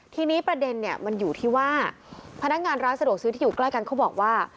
ทีนี้ประเด็นเนี่ยมันอยู่ที่ว่าพนักงานร้านสะดวกซื้อที่อยู่ใกล้กันเขาบอกว่า